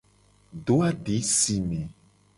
Do adi si me.